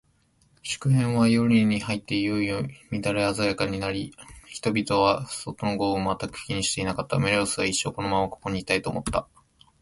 祝宴は、夜に入っていよいよ乱れ華やかになり、人々は、外の豪雨を全く気にしなくなった。メロスは、一生このままここにいたい、と思った。